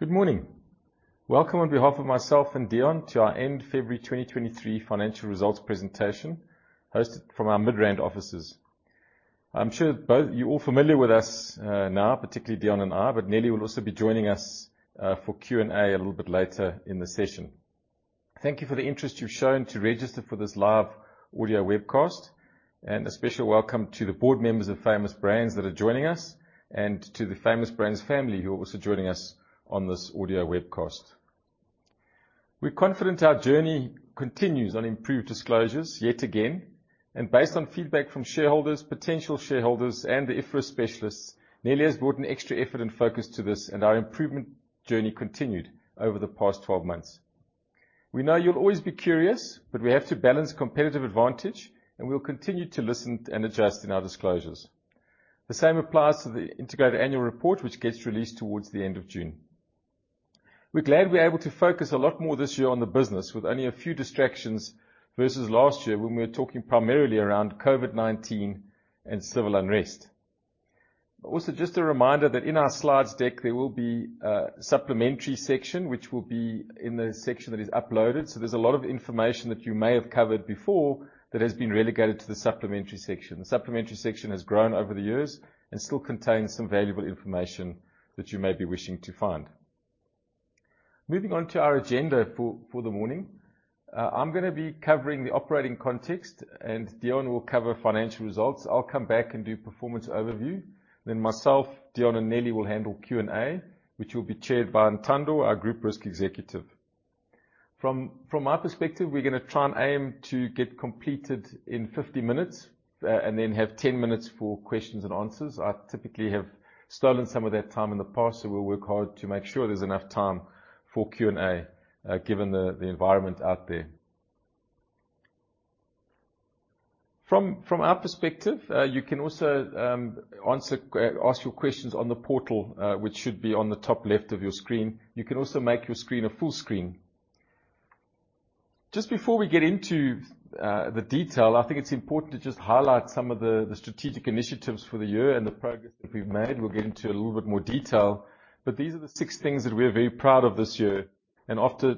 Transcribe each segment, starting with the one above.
Good morning. Welcome on behalf of myself and Deon to our end February 2023 financial results presentation hosted from our Midrand offices. I'm sure you're all familiar with us now, particularly Deon and I, but Nelly will also be joining us for Q&A a little bit later in the session. Thank you for the interest you've shown to register for this live audio webcast. A special welcome to the board members of Famous Brands that are joining us and to the Famous Brands family who are also joining us on this audio webcast. We're confident our journey continues on improved disclosures yet again. Based on feedback from shareholders, potential shareholders, and the IFRS specialists, Nelly has brought an extra effort and focus to this and our improvement journey continued over the past 12 months. We know you'll always be curious, we have to balance competitive advantage, and we will continue to listen and adjust in our disclosures. The same applies to the integrated annual report, which gets released towards the end of June. We're glad we're able to focus a lot more this year on the business with only a few distractions versus last year when we were talking primarily around COVID-19 and civil unrest. Just a reminder that in our slides deck, there will be a supplementary section which will be in the section that is uploaded. There's a lot of information that you may have covered before that has been relegated to the supplementary section. The supplementary section has grown over the years and still contains some valuable information that you may be wishing to find. Moving on to our agenda for the morning, I'm gonna be covering the operating context and Deon will cover financial results. I'll come back and do performance overview. Myself, Deon and Nelly will handle Q&A, which will be chaired by Ntando, our Group Risk Executive. From my perspective, we're gonna try and aim to get completed in 50 minutes and then have 10 minutes for questions and answers. I typically have stolen some of that time in the past, so we'll work hard to make sure there's enough time for Q&A given the environment out there. From our perspective, you can also ask your questions on the portal, which should be on the top left of your screen. You can also make your screen a full screen. Just before we get into the detail, I think it's important to just highlight some of the strategic initiatives for the year and the progress that we've made. We'll get into a little bit more detail, but these are the six things that we are very proud of this year. After,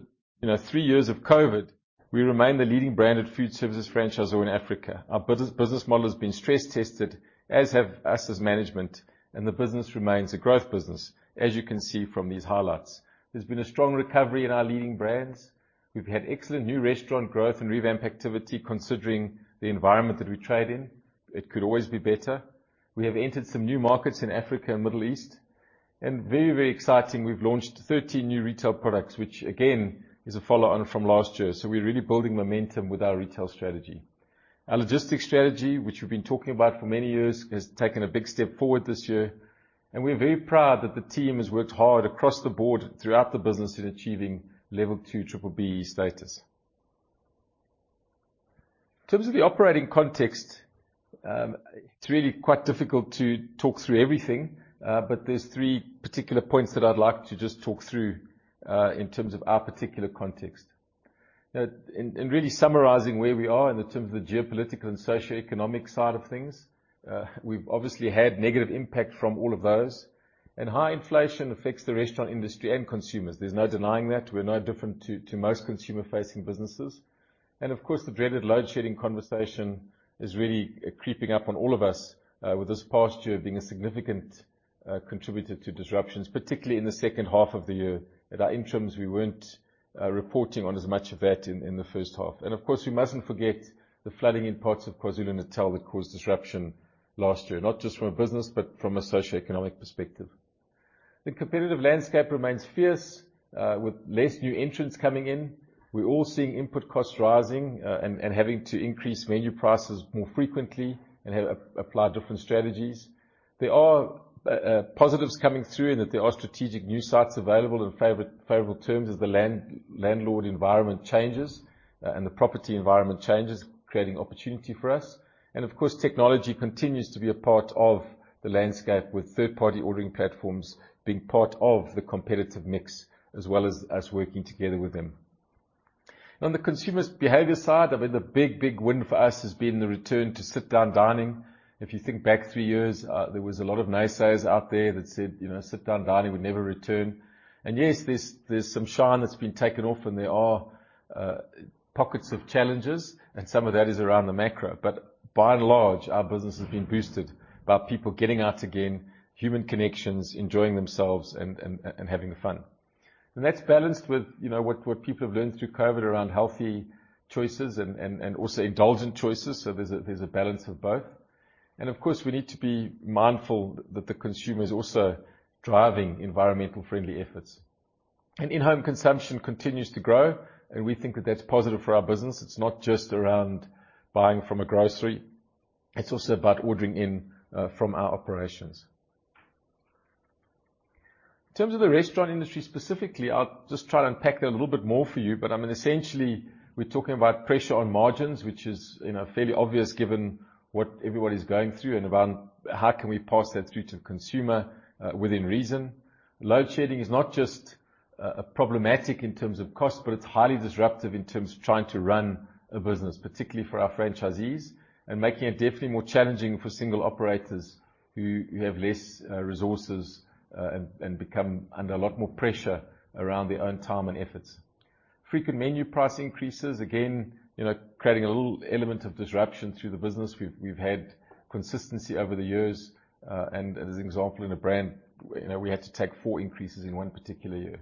you know, three years of COVID, we remain the leading branded food services franchisor in Africa. Our business model has been stress tested, as have us as management, and the business remains a growth business, as you can see from these highlights. There's been a strong recovery in our Leading Brands. We've had excellent new restaurant growth and revamp activity considering the environment that we trade in. It could always be better. We have entered some new markets in Africa and Middle East. Very, very exciting, we've launched 13 new retail products, which again is a follow on from last year. We're really building momentum with our retail strategy. Our logistics strategy, which we've been talking about for many years, has taken a big step forward this year, and we're very proud that the team has worked hard across the board throughout the business in achieving Level 2 BBBEE status. In terms of the operating context, it's really quite difficult to talk through everything, but there's three particular points that I'd like to just talk through in terms of our particular context. In really summarizing where we are in the terms of the geopolitical and socioeconomic side of things, we've obviously had negative impact from all of those, and high inflation affects the restaurant industry and consumers. There's no denying that. We're no different to most consumer-facing businesses. Of course, the dreaded load shedding conversation is really creeping up on all of us, with this past year being a significant contributor to disruptions, particularly in the second half of the year. At our interims, we weren't reporting on as much of that in the first half. Of course, we mustn't forget the flooding in parts of KwaZulu-Natal that caused disruption last year, not just from a business, but from a socioeconomic perspective. The competitive landscape remains fierce, with less new entrants coming in. We're all seeing input costs rising, and having to increase menu prices more frequently and apply different strategies. There are positives coming through in that there are strategic new sites available in favorable terms as the landlord environment changes, and the property environment changes, creating opportunity for us. Of course, technology continues to be a part of the landscape with third-party ordering platforms being part of the competitive mix, as well as us working together with them. On the consumer's behavior side, I mean, the big win for us has been the return to sit-down dining. If you think back three years, there was a lot of naysayers out there that said, you know, sit-down dining would never return. Yes, there's some shine that's been taken off and there are pockets of challenges and some of that is around the macro. By and large, our business has been boosted by people getting out again, human connections, enjoying themselves and having fun. That's balanced with, you know, what people have learned through COVID around healthy choices and also indulgent choices. There's a balance of both. Of course, we need to be mindful that the consumer is also driving environmental friendly efforts. In-home consumption continues to grow, and we think that that's positive for our business. It's not just around buying from a grocery, it's also about ordering in from our operations. In terms of the restaurant industry specifically, I'll just try to unpack that a little bit more for you. I mean, essentially, we're talking about pressure on margins, which is, you know, fairly obvious given what everybody's going through and around how can we pass that through to the consumer, within reason. Load shedding is not just problematic in terms of cost, but it's highly disruptive in terms of trying to run a business, particularly for our franchisees and making it definitely more challenging for single operators who have less resources and become under a lot more pressure around their own time and efforts. Frequent menu price increases, again, you know, creating a little element of disruption through the business. We've had consistency over the years. As an example, in a brand, you know, we had to take four increases in one particular year.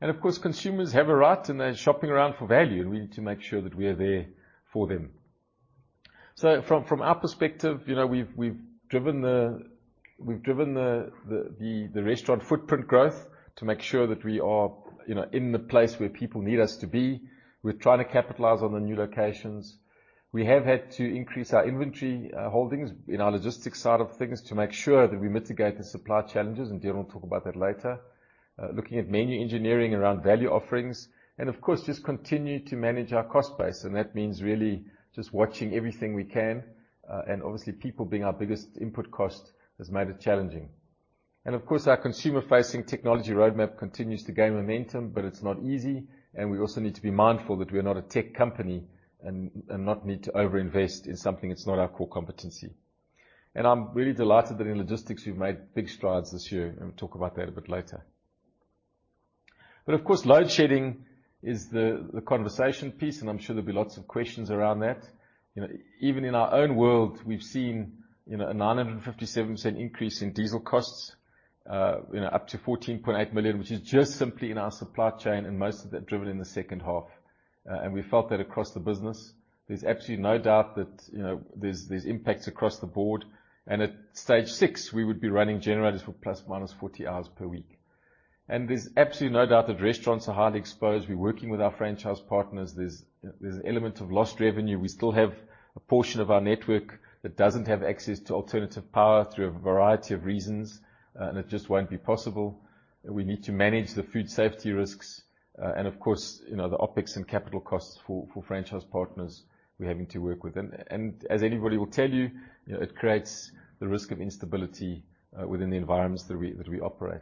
Of course, consumers have a right, and they're shopping around for value, and we need to make sure that we are there for them. From our perspective, you know, we've driven the restaurant footprint growth to make sure that we are, you know, in the place where people need us to be. We're trying to capitalize on the new locations. We have had to increase our inventory holdings in our logistics side of things to make sure that we mitigate the supply challenges, and Deon will talk about that later. Looking at menu engineering around value offerings and of course, just continue to manage our cost base, and that means really just watching everything we can. Obviously people being our biggest input cost has made it challenging. Of course, our consumer-facing technology roadmap continues to gain momentum, but it's not easy. We also need to be mindful that we are not a tech company and not need to overinvest in something that's not our core competency. I'm really delighted that in logistics we've made big strides this year, and we'll talk about that a bit later. Of course, load shedding is the conversation piece, and I'm sure there'll be lots of questions around that. You know, even in our own world we've seen, you know, a 957% increase in diesel costs, you know, up to 14.8 million, which is just simply in our supply chain, and most of that driven in the second half. We felt that across the business. There's absolutely no doubt that, you know, there's impacts across the board. At Stage 6, we would be running generators for ±40 hours per week. There's absolutely no doubt that restaurants are highly exposed. We're working with our franchise partners. There's an element of lost revenue. We still have a portion of our network that doesn't have access to alternative power through a variety of reasons, and it just won't be possible. We need to manage the food safety risks. Of course, you know, the OpEx and capital costs for franchise partners we're having to work with. As anybody will tell you know, it creates the risk of instability within the environments that we operate.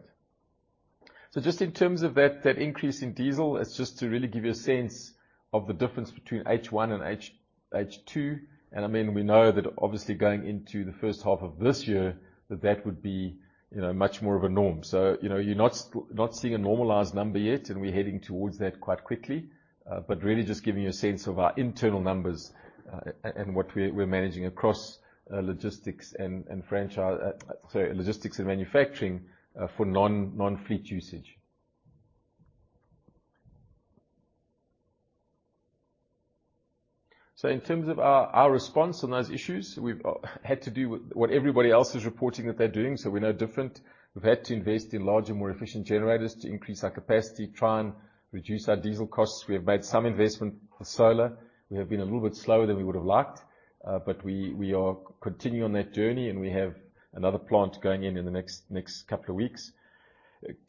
Just in terms of that increase in diesel, it's just to really give you a sense of the difference between H1 and H2. I mean, we know that obviously going into the first half of this year that that would be, you know, much more of a norm. You know, you're not seeing a normalized number yet, and we're heading towards that quite quickly. But really just giving you a sense of our internal numbers and what we're managing across logistics and manufacturing for non-fleet usage. In terms of our response on those issues, we've had to do what everybody else is reporting that they're doing, so we're no different. We've had to invest in larger, more efficient generators to increase our capacity, try and reduce our diesel costs. We have made some investment for solar. We have been a little bit slower than we would've liked, but we are continuing on that journey, and we have another plant going in in the next couple of weeks.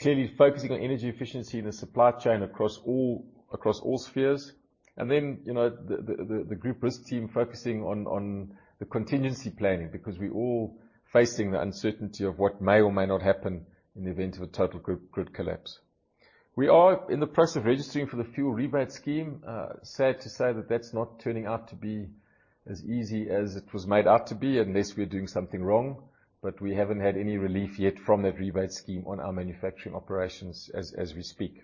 Clearly focusing on energy efficiency in the supply chain across all spheres. You know, the group risk team focusing on the contingency planning because we're all facing the uncertainty of what may or may not happen in the event of a total grid collapse. We are in the process of registering for the fuel rebate scheme. Sad to say that that's not turning out to be as easy as it was made out to be unless we're doing something wrong. We haven't had any relief yet from that rebate scheme on our manufacturing operations as we speak.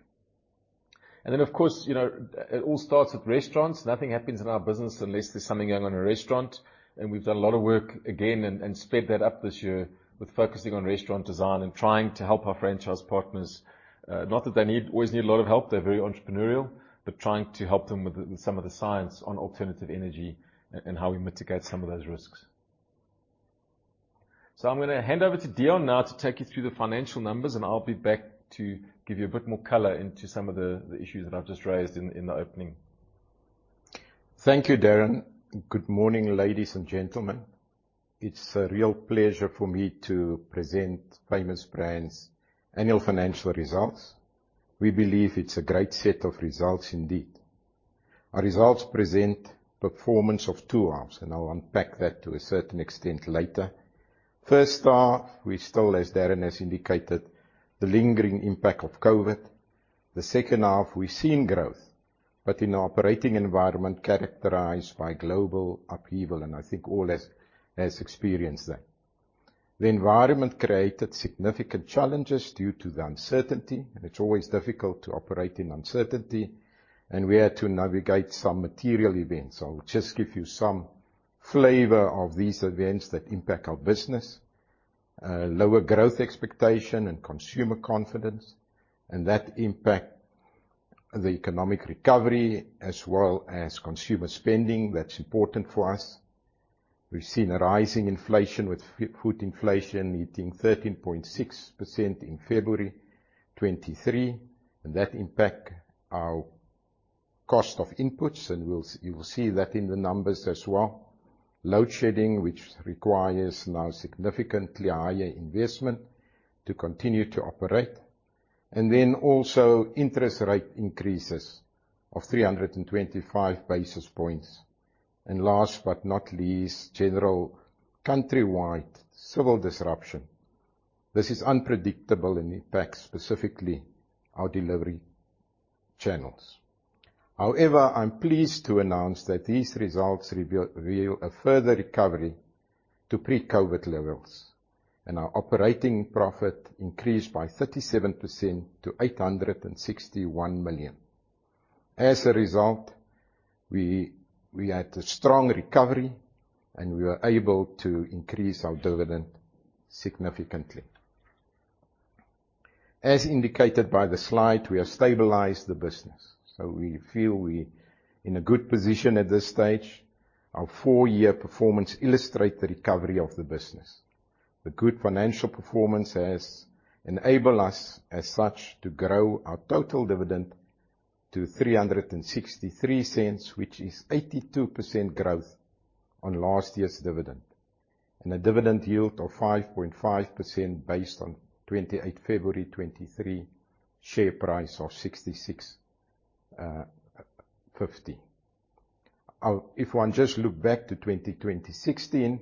Of course, you know, it all starts at restaurants. Nothing happens in our business unless there's something going on in a restaurant. We've done a lot of work again and sped that up this year with focusing on restaurant design and trying to help our franchise partners. Not that they always need a lot of help, they're very entrepreneurial, but trying to help them with some of the science on alternative energy and how we mitigate some of those risks. I'm gonna hand over to Deon now to take you through the financial numbers, and I'll be back to give you a bit more color into some of the issues that I've just raised in the opening. Thank you, Darren. Good morning, ladies and gentlemen. It's a real pleasure for me to present Famous Brands annual financial results. We believe it's a great set of results indeed. Our results present performance of two halves. I'll unpack that to a certain extent later. First half, we still, as Darren has indicated, the lingering impact of COVID. The second half, we're seeing growth in an operating environment characterized by global upheaval. I think all has experienced that. The environment created significant challenges due to the uncertainty. It's always difficult to operate in uncertainty. We had to navigate some material events. I'll just give you some flavor of these events that impact our business. Lower growth expectation and consumer confidence. That impact the economic recovery as well as consumer spending. That's important for us. We've seen a rising inflation with food inflation hitting 13.6% in February 2023, and that impact our cost of inputs, you'll see that in the numbers as well. Load shedding, which requires now significantly higher investment to continue to operate, also interest rate increases of 325 basis points. Last but not least, general countrywide civil disruption. This is unpredictable and impacts specifically our delivery channels. However, I'm pleased to announce that these results reveal a further recovery to pre-COVID levels, and our operating profit increased by 37% to 861 million. As a result, we had a strong recovery, and we were able to increase our dividend significantly. As indicated by the slide, we have stabilized the business, we feel we're in a good position at this stage. Our four-year performance illustrates the recovery of the business. The good financial performance has enabled us, as such, to grow our total dividend to 3.63, which is 82% growth on last year's dividend, and a dividend yield of 5.5% based on February 28, 2023 share price of ZAR 66.50. If one just looks back to 2016,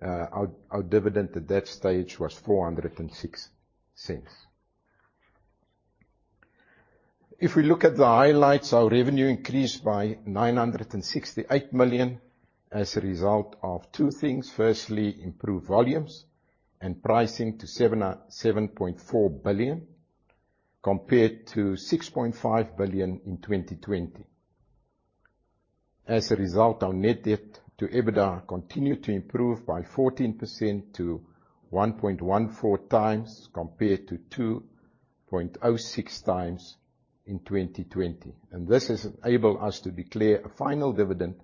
our dividend at that stage was 4.06. If we look at the highlights, our revenue increased by 968 million as a result of two things. Firstly, improved volumes and pricing to 7.4 billion, compared to 6.5 billion in 2020. As a result, our net debt to EBITDA continued to improve by 14% to 1.14x compared to 2.06x in 2020. This has enabled us to declare a final dividend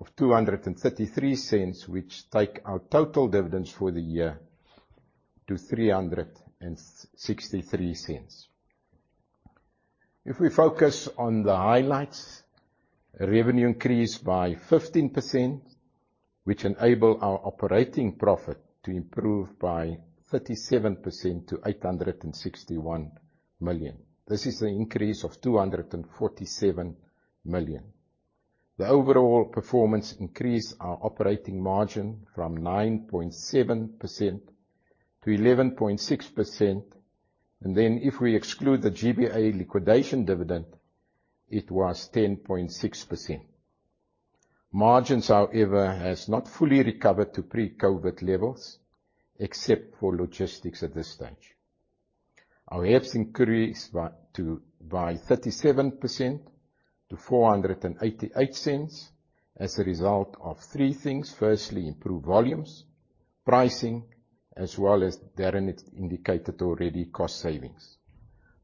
of 2.33, which take our total dividends for the year to 3.63. If we focus on the highlights, revenue increased by 15%, which enable our operating profit to improve by 37% to 861 million. This is an increase of 247 million. The overall performance increased our operating margin from 9.7% to 11.6%. If we exclude the GBK liquidation dividend, it was 10.6%. Margins, however, has not fully recovered to pre-COVID levels, except for logistics at this stage. Our EPS increased by 37% to 4.88 as a result of three things. Firstly, improved volumes, pricing, as well as Darren had indicated already, cost savings.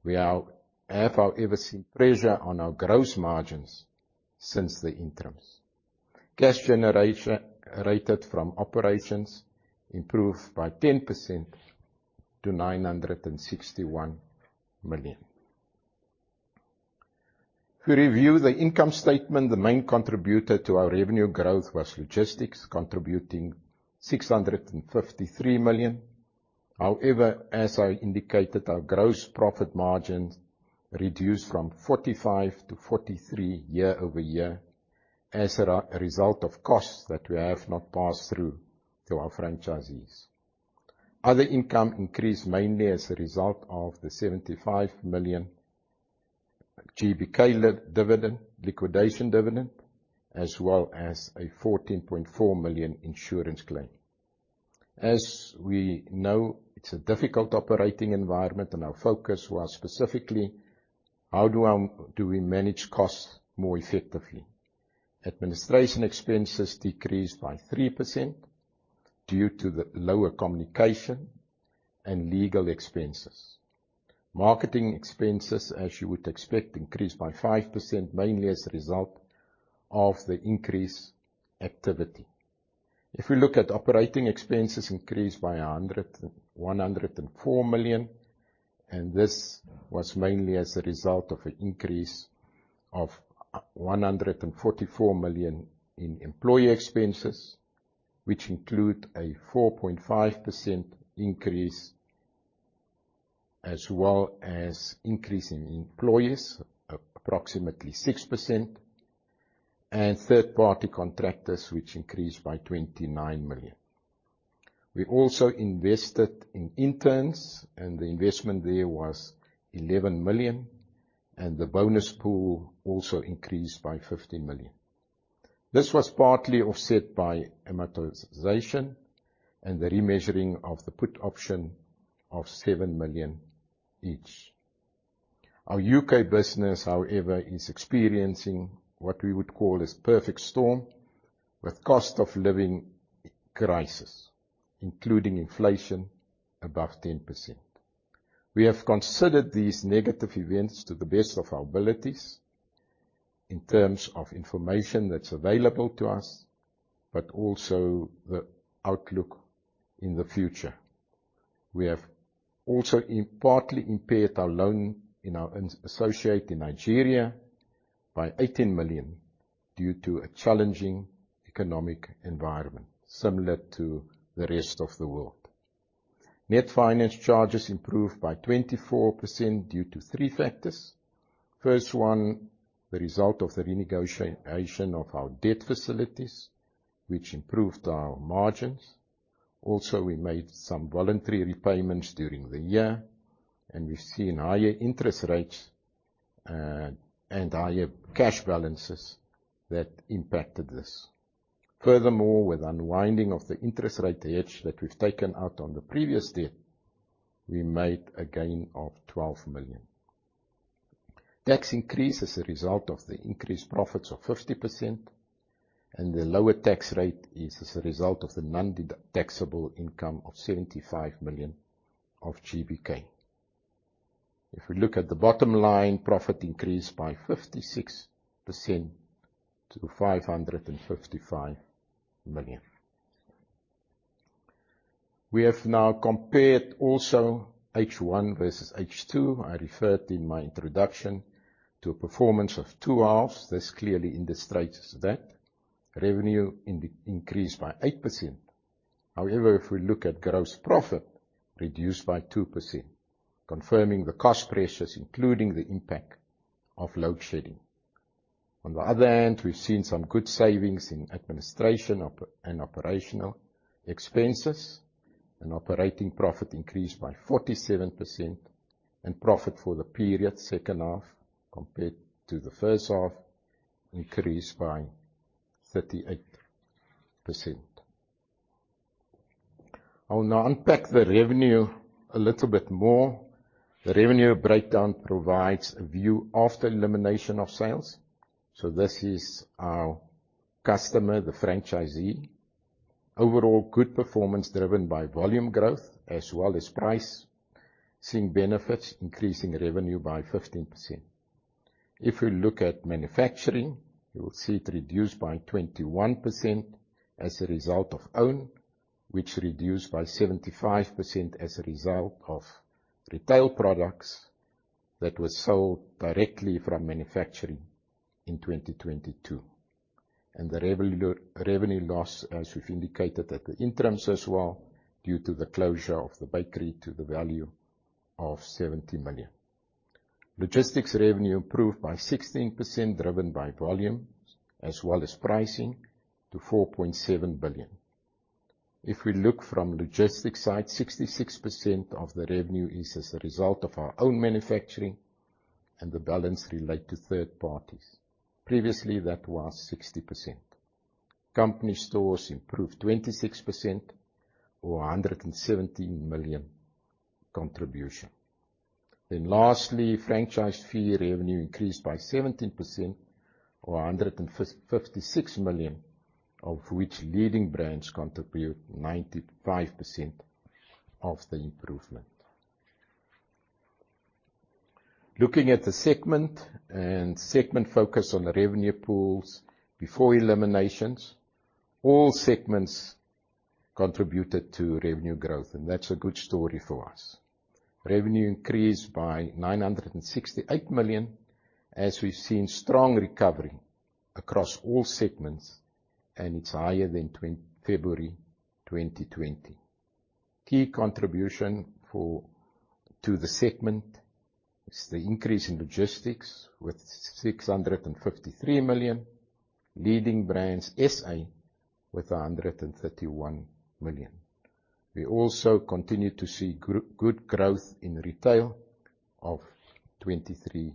We have, however, seen pressure on our gross margins since the interims. Cash generation rated from operations improved by 10% to 961 million. If we review the income statement, the main contributor to our revenue growth was logistics, contributing 653 million. As I indicated, our gross profit margins reduced from 45% -43% year-over-year as a result of costs that we have not passed through to our franchisees. Other income increased mainly as a result of the 75 million GBK liquidation dividend, as well as a 14.4 million insurance claim. As we know, it's a difficult operating environment, our focus was specifically how do we manage costs more effectively. Administration expenses decreased by 3% due to the lower communication and legal expenses. Marketing expenses, as you would expect, increased by 5%, mainly as a result of the increased activity. If we look at operating expenses increased by 104 million. This was mainly as a result of an increase of 144 million in employee expenses, which include a 4.5% increase, as well as increase in employees approximately 6%, and third-party contractors, which increased by 29 million. We also invested in interns, and the investment there was 11 million, and the bonus pool also increased by 50 million. This was partly offset by amortization and the remeasuring of the put option of 7 million each. Our U.K. business, however, is experiencing what we would call as perfect storm, with cost of living crisis, including inflation above 10%. We have considered these negative events to the best of our abilities in terms of information that's available to us, but also the outlook in the future. We have also partly impaired our loan in our associate in Nigeria by 18 million due to a challenging economic environment similar to the rest of the world. Net finance charges improved by 24% due to three factors. First one, the result of the renegotiation of our debt facilities, which improved our margins. We made some voluntary repayments during the year, and we've seen higher interest rates, and higher cash balances that impacted this. Furthermore, with unwinding of the interest rate hedge that we've taken out on the previous date, we made a gain of 12 million. Tax increase as a result of the increased profits of 50% and the lower tax rate is as a result of the non-dedu-taxable income of 75 million of GBK. If we look at the bottom line, profit increased by 56% to ZAR 555 million. We have now compared also H1 versus H2. I referred in my introduction to a performance of two halves. This clearly illustrates that. Revenue increased by 8%. However, if we look at gross profit, reduced by 2%, confirming the cost pressures, including the impact of load shedding. On the other hand, we've seen some good savings in administration operational expenses and operating profit increased by 47% and profit for the period second half compared to the first half increased by 38%. I'll now unpack the revenue a little bit more. The revenue breakdown provides a view after elimination of sales. This is our customer, the franchisee. Overall good performance driven by volume growth as well as price, seeing benefits increasing revenue by 15%. If we look at manufacturing, you will see it reduced by 21% as a result of own, which reduced by 75% as a result of retail products that were sold directly from manufacturing in 2022. The revenue loss, as we've indicated at the interims as well, due to the closure of the bakery to the value of 70 million. Logistics revenue improved by 16%, driven by volume as well as pricing to 4.7 billion. If we look from logistics side, 66% of the revenue is as a result of our own manufacturing and the balance relate to third parties. Previously, that was 60%. Company stores improved 26% or 117 million contribution. Lastly, franchise fee revenue increased by 17% or 156 million, of which Leading Brands contribute 95% of the improvement. Looking at the segment and segment focus on the revenue pools before eliminations, all segments contributed to revenue growth, that's a good story for us. Revenue increased by 968 million, as we've seen strong recovery across all segments, it's higher than February 2020. Key contribution to the segment is the increase in Logistics with 653 million, Leading Brands SA with 131 million. We also continue to see good growth in retail of 23%.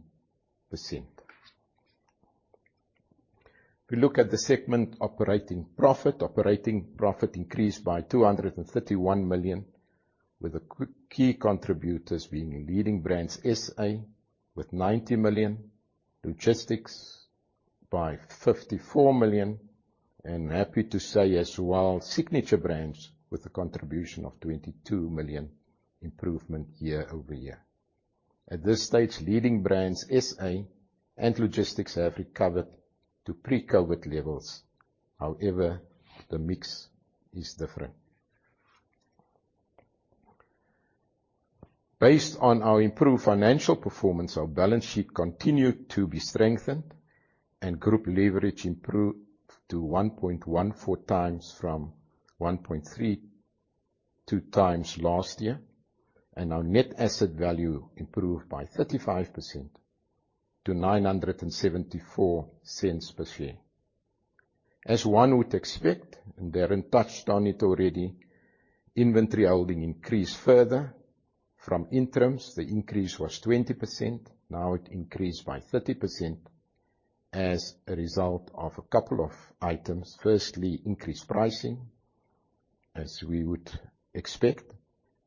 If we look at the segment operating profit, operating profit increased by 231 million, with the key contributors being Leading Brands SA with 90 million, Logistics by 54 million, and happy to say as well, Signature Brands with a contribution of 22 million improvement year-over-year. At this stage, Leading Brands SA and Logistics have recovered to pre-COVID levels. However, the mix is different. Based on our improved financial performance, our balance sheet continued to be strengthened and group leverage improved to 1.14x from 1.32x last year, and our net asset value improved by 35% to 9.74 per share. As one would expect, and Darren touched on it already, inventory holding increased further. From interims, the increase was 20%. Now it increased by 30% as a result of a couple of items. Firstly, increased pricing, as we would expect.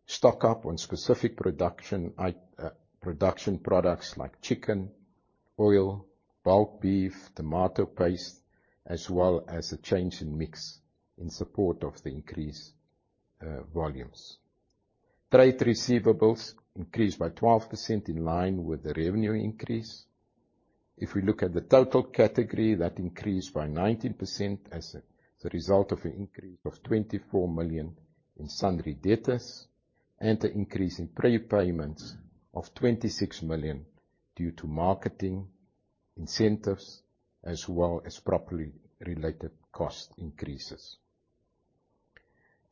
Stock-up on specific production products like chicken, oil, bulk beef, tomato paste, as well as a change in mix in support of the increased volumes. Trade receivables increased by 12% in line with the revenue increase. We look at the total category, that increased by 19% as the result of an increase of 24 million in sundry debtors and an increase in prepayments of 26 million due to marketing incentives as well as properly related cost increases.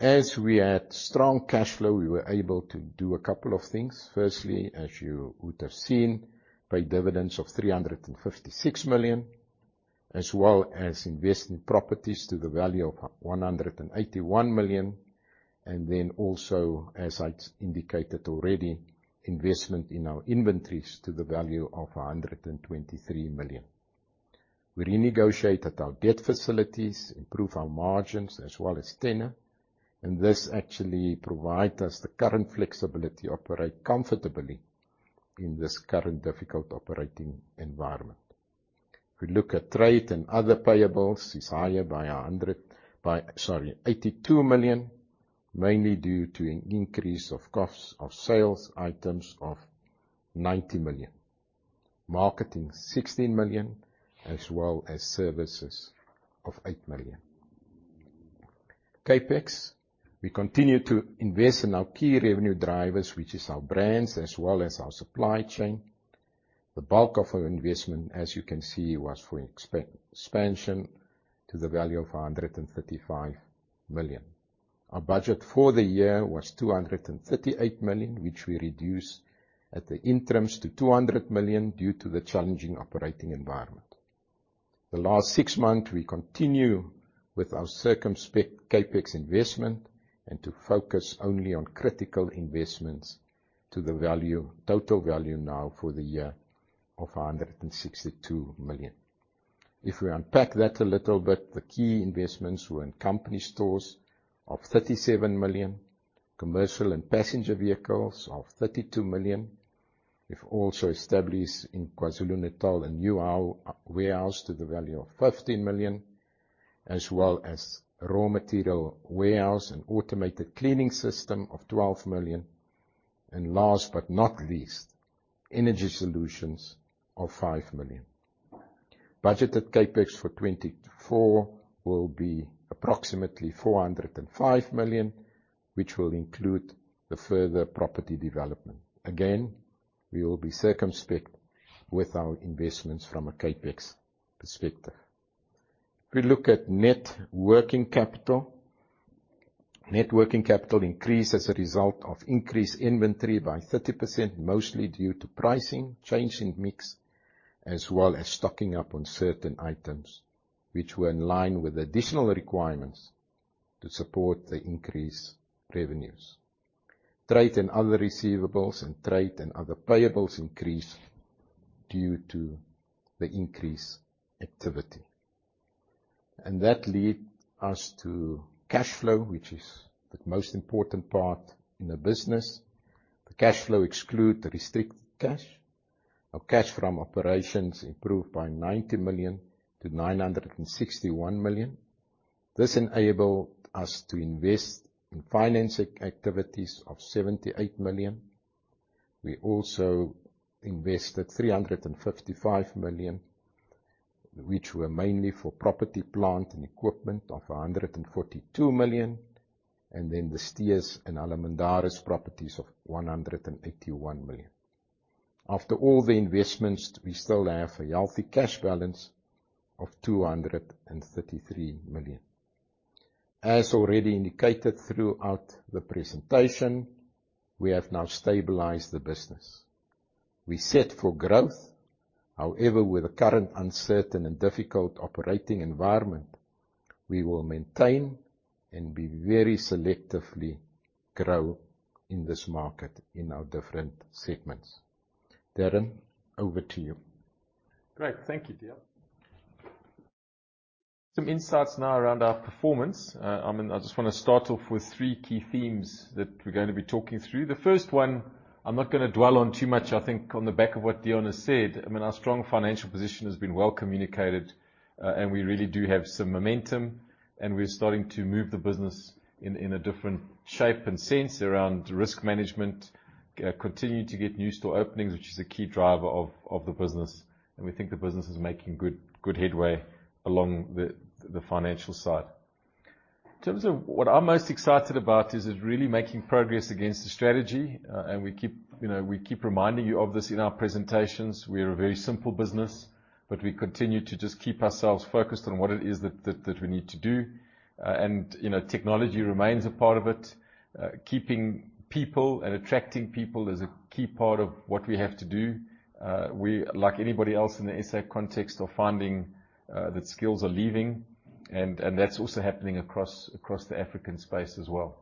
We had strong cash flow, we were able to do a couple of things. Firstly, as you would have seen, pay dividends of 356 million, as well as invest in properties to the value of 181 million, also, as I indicated already, investment in our inventories to the value of 123 million. We renegotiated our debt facilities, improve our margins as well as tenure, this actually provide us the current flexibility to operate comfortably in this current difficult operating environment. We look at trade and other payables, it's higher by a hundred by sorry, 82 million, mainly due to an increase of costs of sales items of 90 million. Marketing 16 million, as well as services of 8 million. CapEx, we continue to invest in our key revenue drivers, which is our brands as well as our supply chain. The bulk of our investment, as you can see, was for expansion to the value of 135 million. Our budget for the year was 238 million, which we reduced at the interims to 200 million due to the challenging operating environment. The last six months, we continue with our circumspect CapEx investment and to focus only on critical investments to the value, total value now for the year of 162 million. If we unpack that a little bit, the key investments were in company stores of 37 million, commercial and passenger vehicles of 32 million. We've also established in KwaZulu-Natal a new warehouse to the value of 15 million, as well as raw material warehouse and automated cleaning system of 12 million. Last but not least, energy solutions of 5 million. Budgeted CapEx for 2024 will be approximately 405 million, which will include the further property development. Again, we will be circumspect with our investments from a CapEx perspective. If we look at net working capital. Net working capital increased as a result of increased inventory by 30%, mostly due to pricing, change in mix, as well as stocking up on certain items, which were in line with additional requirements to support the increased revenues. Trade and other receivables and trade and other payables increased due to the increased activity. That lead us to cash flow, which is the most important part in a business. The cash flow exclude restricted cash. Our cash from operations improved by 90 million to 961 million. This enabled us to invest in financing activities of 78 million. We also invested 355 million, which were mainly for property, plant, and equipment of 142 million, and then the Steers and Halamandaris properties of 181 million. After all the investments, we still have a healthy cash balance of 233 million. As already indicated throughout the presentation, we have now stabilized the business. We set for growth. With the current uncertain and difficult operating environment, we will maintain and be very selectively grow in this market in our different segments. Darren, over to you. Great. Thank you, Deon. Some insights now around our performance. I mean, I just wanna start off with three key themes that we're gonna be talking through. The first one, I'm not gonna dwell on too much, I think, on the back of what Deon has said. I mean, our strong financial position has been well communicated, and we really do have some momentum, and we're starting to move the business in a different shape and sense around risk management. Continue to get new store openings, which is a key driver of the business. We think the business is making good headway along the financial side. In terms of what I'm most excited about is really making progress against the strategy. We keep, you know, we keep reminding you of this in our presentations. We're a very simple business, but we continue to just keep ourselves focused on what it is that we need to do. You know, technology remains a part of it. Keeping people and attracting people is a key part of what we have to do. We like anybody else in the SA context are finding that skills are leaving, and that's also happening across the African space as well.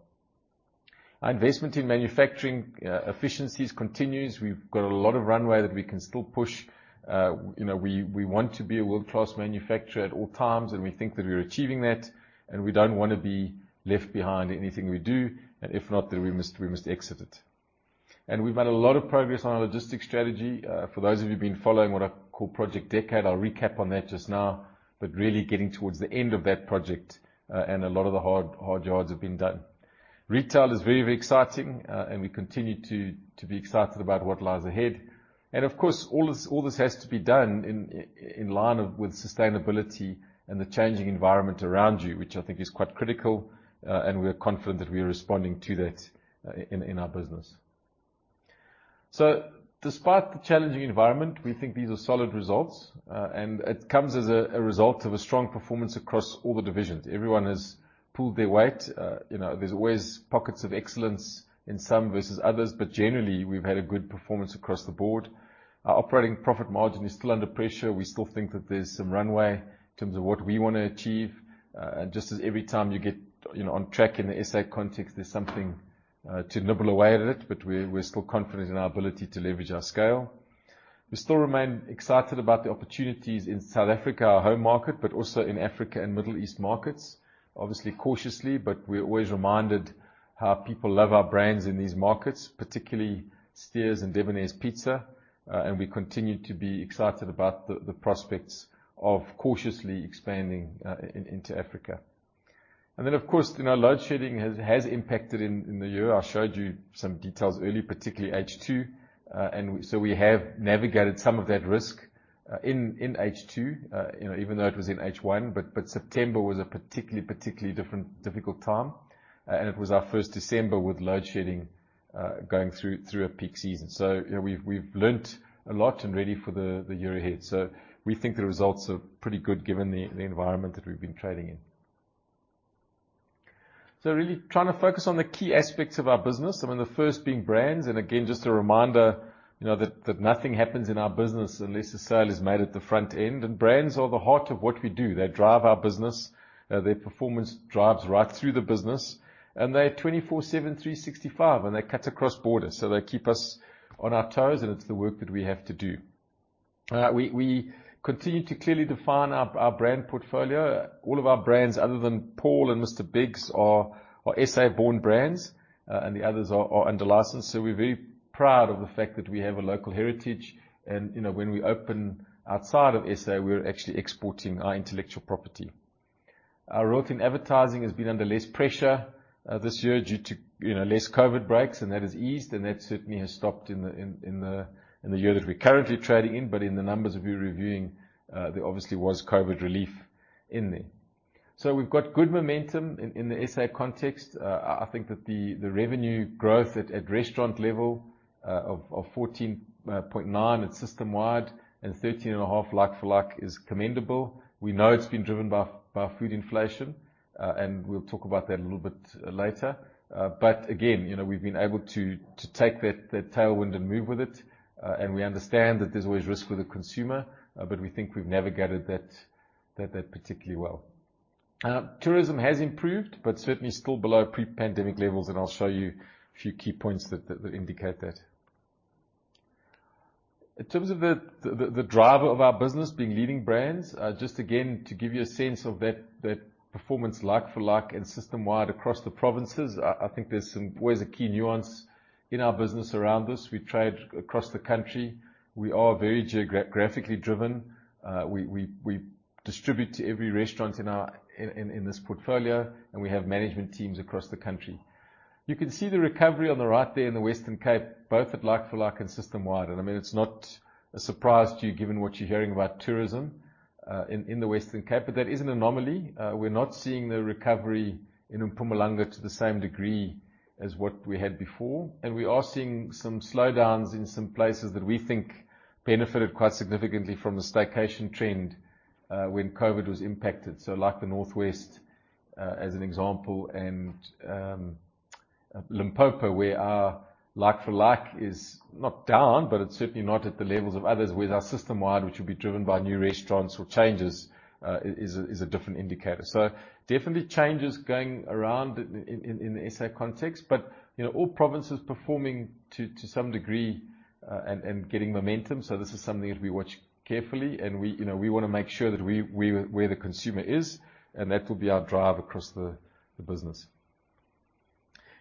Our investment in manufacturing efficiencies continues. We've got a lot of runway that we can still push. You know, we want to be a world-class manufacturer at all times, and we think that we're achieving that, and we don't wanna be left behind in anything we do. If not, then we must exit it. We've made a lot of progress on our logistics strategy. For those of you who've been following what I call Project Decade, I'll recap on that just now, but really getting towards the end of that project, and a lot of the hard yards have been done. Retail is very exciting, and we continue to be excited about what lies ahead. Of course, all this has to be done in line with sustainability and the changing environment around you, which I think is quite critical. We are confident that we are responding to that in our business. So despite the challenging environment, we think these are solid results, and it comes as a result of a strong performance across all the divisions. Everyone has pulled their weight. you know, there's always pockets of excellence in some versus others, but generally, we've had a good performance across the board. Our operating profit margin is still under pressure. We still think that there's some runway in terms of what we wanna achieve. just as every time you get, you know, on track in the SA context, there's something to nibble away at it, but we're still confident in our ability to leverage our scale. We still remain excited about the opportunities in South Africa, our home market, but also in Africa and Middle East markets. Obviously, cautiously, but we're always reminded how people love our brands in these markets, particularly Steers and Debonairs Pizza, and we continue to be excited about the prospects of cautiously expanding into Africa. Then, of course, you know, load shedding has impacted in the year. I showed you some details early, particularly H2. So we have navigated some of that risk in H2, you know, even though it was in H1, but September was a particularly difficult time, and it was our first December with load shedding, going through a peak season. You know, we've learnt a lot and ready for the year ahead. We think the results are pretty good given the environment that we've been trading in. Really trying to focus on the key aspects of our business, I mean, the first being brands. Again, just a reminder, you know, that nothing happens in our business unless a sale is made at the front end. Brands are the heart of what we do. They drive our business. Their performance drives right through the business, and they're 24/7, 365, and they cut across borders. They keep us on our toes, and it's the work that we have to do. We continue to clearly define our brand portfolio. All of our brands other than PAUL and Mr Biggs are SA-born brands, and the others are under license. We're very proud of the fact that we have a local heritage and, you know, when we open outside of SA, we're actually exporting our intellectual property. Our growth in advertising has been under less pressure this year due to, you know, less COVID breaks, and that has eased, and that certainly has stopped in the year that we're currently trading in. In the numbers we're reviewing, there obviously was COVID relief in there. We've got good momentum in the SA context. I think that the revenue growth at restaurant level of 14.9 and systemwide and 13.5 like-for-like is commendable. We know it's been driven by food inflation, we'll talk about that a little bit later. Again, you know, we've been able to take that tailwind and move with it. We understand that there's always risk with the consumer, but we think we've navigated that particularly well. Tourism has improved, but certainly still below pre-pandemic levels, and I'll show you a few key points that indicate that. In terms of the driver of our business being Leading Brands, just again to give you a sense of that performance like for like and system-wide across the provinces, I think there's always a key nuance in our business around this. We trade across the country. We are very geographically driven. We distribute to every restaurant in our in this portfolio, and we have management teams across the country. You can see the recovery on the right there in the Western Cape, both at like for like and system-wide. I mean, it's not a surprise to you given what you're hearing about tourism in the Western Cape. That is an anomaly. We're not seeing the recovery in Mpumalanga to the same degree as what we had before, and we are seeing some slowdowns in some places that we think benefited quite significantly from the staycation trend, when COVID was impacted. Like the Northwest, as an example, and Limpopo, where our like for like is not down, but it's certainly not at the levels of others with our system-wide, which would be driven by new restaurants or changes, is a different indicator. Definitely changes going around in the SA context. You know, all provinces performing to some degree, and getting momentum. This is something that we watch carefully and we, you know, we wanna make sure that we where the consumer is, and that will be our drive across the business.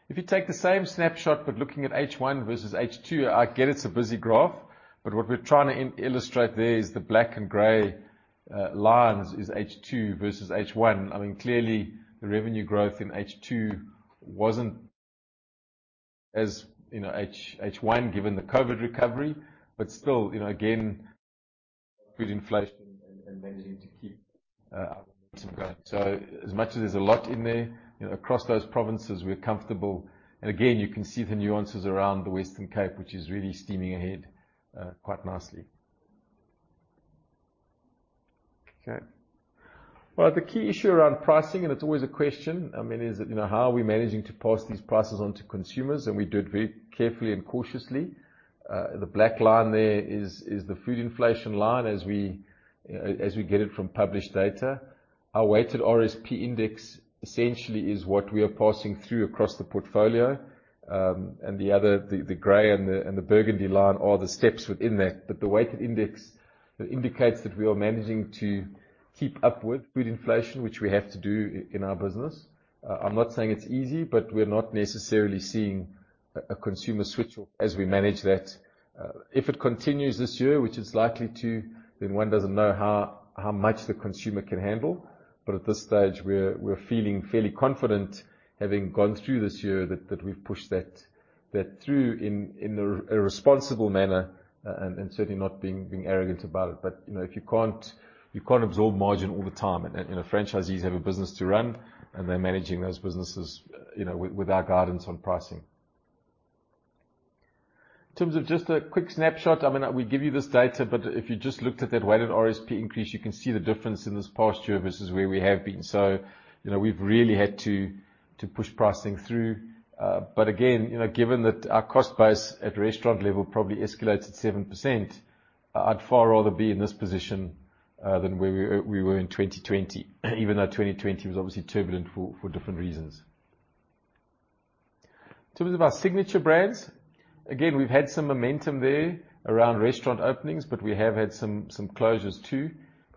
If you take the same snapshot, looking at H1 versus H2, I get it's a busy graph, what we're trying to illustrate there is the black and gray lines is H2 versus H1. I mean, clearly the revenue growth in H2 wasn't as, you know, H1 given the COVID recovery. Still, you know, again, food inflation and managing to keep our momentum going. As much as there's a lot in there, you know, across those provinces, we're comfortable. Again, you can see the nuances around the Western Cape, which is really steaming ahead quite nicely. Okay. Well, the key issue around pricing, it's always a question, I mean, is, you know, how are we managing to pass these prices on to consumers, we do it very carefully and cautiously. The black line there is the food inflation line as we get it from published data. Our weighted RSP index essentially is what we are passing through across the portfolio. The other, the gray and the burgundy line are the steps within that. The weighted index indicates that we are managing to keep up with food inflation, which we have to do in our business. I'm not saying it's easy, but we're not necessarily seeing a consumer switch as we manage that. If it continues this year, which it's likely to, then one doesn't know how much the consumer can handle. At this stage we're feeling fairly confident having gone through this year that we've pushed that through in a responsible manner, and certainly not being arrogant about it. You know, if you can't, you can't absorb margin all the time, and, you know, franchisees have a business to run, and they're managing those businesses, you know, with our guidance on pricing. In terms of just a quick snapshot, I mean, we give you this data, but if you just looked at that weighted RSP increase, you can see the difference in this past year versus where we have been. You know, we've really had to push pricing through. Again, you know, given that our cost base at restaurant level probably escalates at 7%, I'd far rather be in this position than where we were in 2020, even though 2020 was obviously turbulent for different reasons. In terms of our Signature Brands, again, we've had some momentum there around restaurant openings, but we have had some closures too.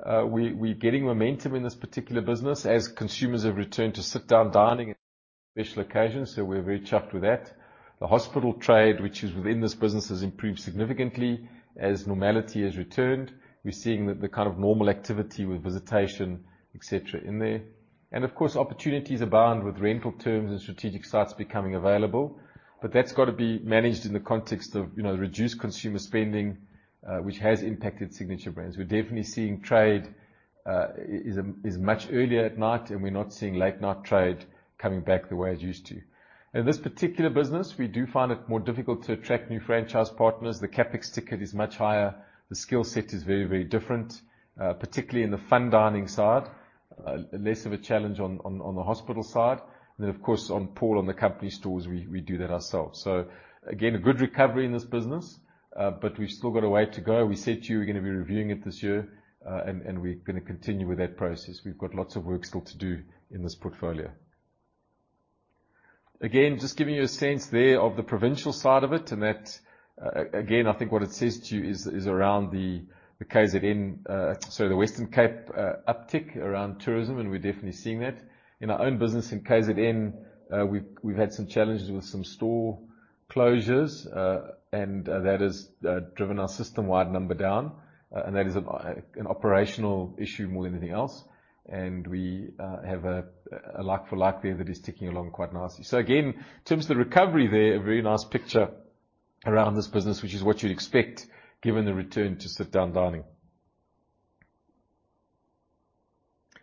We're getting momentum in this particular business as consumers have returned to sit-down dining special occasions, so we're very chuffed with that. The hospital trade, which is within this business, has improved significantly as normality has returned. We're seeing the kind of normal activity with visitation, et cetera, in there. Of course, opportunities abound with rental terms and strategic sites becoming available. That's got to be managed in the context of, you know, reduced consumer spending, which has impacted Signature Brands. We're definitely seeing trade, is much earlier at night, and we're not seeing late night trade coming back the way it used to. In this particular business, we do find it more difficult to attract new franchise partners. The CapEx ticket is much higher. The skill set is very, very different, particularly in the fun dining side. Less of a challenge on the hospital side. Then, of course, on PAUL and the company stores, we do that ourselves. Again, a good recovery in this business, but we've still got a way to go. We said to you we're gonna be reviewing it this year, and we're gonna continue with that process. We've got lots of work still to do in this portfolio. Again, just giving you a sense there of the provincial side of it, and that, again, I think what it says to you is around the KZN, sorry, the Western Cape, uptick around tourism, and we're definitely seeing that. In our own business in KZN, we've had some challenges with some store closures, and that has driven our system-wide number down, and that is an operational issue more than anything else. We have a like for like there that is ticking along quite nicely. Again, in terms of the recovery there, a very nice picture around this business, which is what you'd expect given the return to sit-down dining.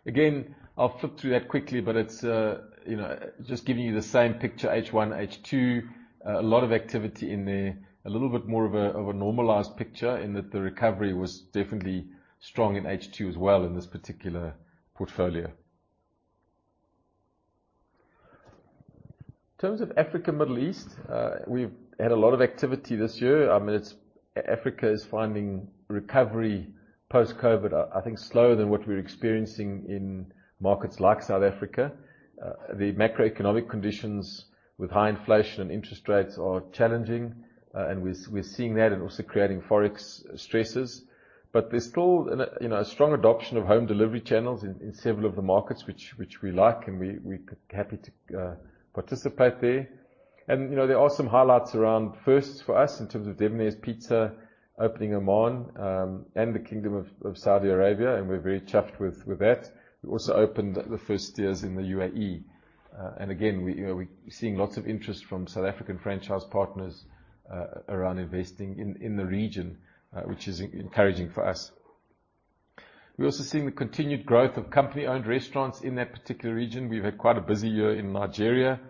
Again, I'll flip through that quickly, but it's, you know, just giving you the same picture, H1/H2 a lot of activity in there. A little bit more of a, of a normalized picture in that the recovery was definitely strong in H2 as well in this particular portfolio. In terms of Africa, Middle East, we've had a lot of activity this year. I mean, Africa is finding recovery post-COVID, I think, slower than what we're experiencing in markets like South Africa. The macroeconomic conditions with high inflation and interest rates are challenging, and we're seeing that and also creating Forex stresses. There's still an, you know, a strong adoption of home delivery channels in several of the markets which we like, and we happy to participate there. You know, there are some highlights around firsts for us in terms of Domino's Pizza opening Oman and the Kingdom of Saudi Arabia, we're very chuffed with that. We also opened the first Steers in the UAE. Again, we, you know, we're seeing lots of interest from South African franchise partners around investing in the region, which is encouraging for us. We're also seeing the continued growth of company-owned restaurants in that particular region. We've had quite a busy year in Nigeria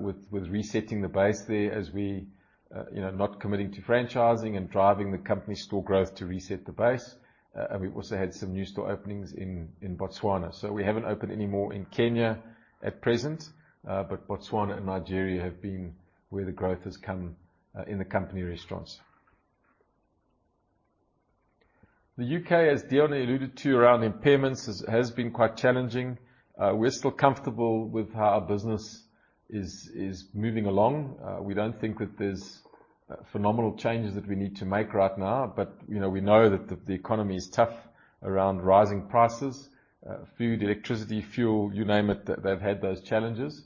with resetting the base there as we, you know, not committing to franchising and driving the company store growth to reset the base. We also had some new store openings in Botswana. We haven't opened any more in Kenya at present, but Botswana and Nigeria have been where the growth has come in the company restaurants. The U.K., as Deon alluded to around impairments, has been quite challenging. We're still comfortable with how our business is moving along. We don't think that there's phenomenal changes that we need to make right now, but, you know, we know that the economy is tough around rising prices. Food, electricity, fuel, you name it, they've had those challenges.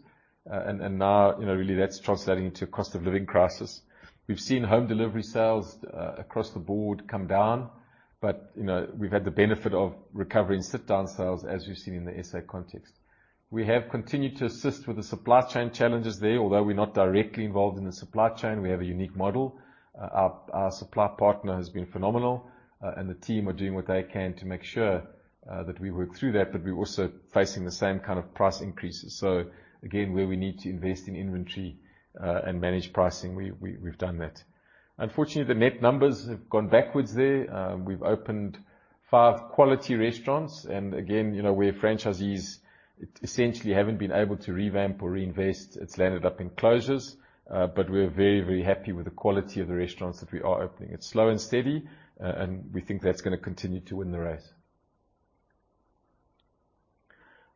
And now, you know, really that's translating into cost of living crisis. We've seen home delivery sales across the board come down, but, you know, we've had the benefit of recovery in sit-down sales, as you've seen in the SA context. We have continued to assist with the supply chain challenges there. Although we're not directly involved in the supply chain, we have a unique model. Our supply partner has been phenomenal, and the team are doing what they can to make sure that we work through that, but we're also facing the same kind of price increases. Again, where we need to invest in inventory and manage pricing, we've done that. Unfortunately, the net numbers have gone backwards there. We've opened five quality restaurants and again, you know, where franchisees essentially haven't been able to revamp or reinvest, it's landed up in closures. But we're very, very happy with the quality of the restaurants that we are opening. It's slow and steady, and we think that's gonna continue to win the race.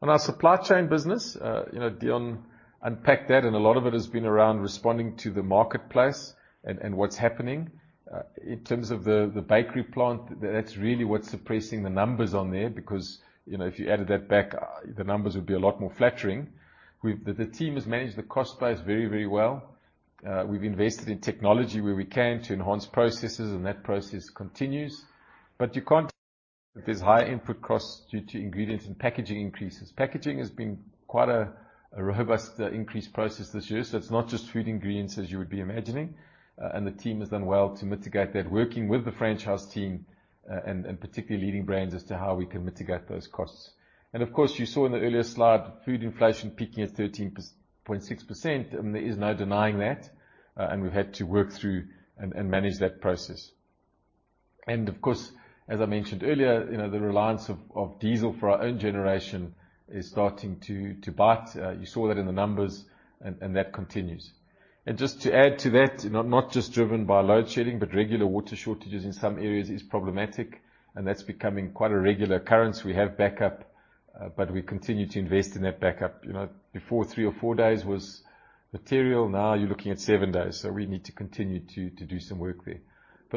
On our supply chain business, you know, Deon unpacked that, and a lot of it has been around responding to the marketplace and what's happening. In terms of the bakery plant, that's really what's suppressing the numbers on there because, you know, if you added that back, the numbers would be a lot more flattering. The team has managed the cost base very well. We've invested in technology where we can to enhance processes, and that process continues. You can't there's high input costs due to ingredients and packaging increases. Packaging has been quite a robust increase process this year, so it's not just food ingredients as you would be imagining. The team has done well to mitigate that, working with the franchise team, and particularly Leading Brands as to how we can mitigate those costs. Of course, you saw in the earlier slide food inflation peaking at 13.6%, and there is no denying that. We've had to work through and manage that process. Of course, as I mentioned earlier, you know, the reliance of diesel for our own generation is starting to bite. You saw that in the numbers and that continues. Just to add to that, you know, not just driven by load shedding, but regular water shortages in some areas is problematic, and that's becoming quite a regular occurrence. We have backup, but we continue to invest in that backup. You know, before three or four days was material, now you're looking at seven days. We need to continue to do some work there.